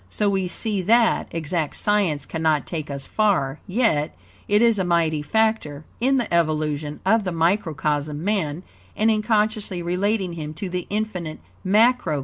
So we see that, exact science cannot take us far, yet, it is a mighty factor, in the evolution of the microcosm Man, and in consciously relating him to the Infinite Macrocosm God, Spirit, All.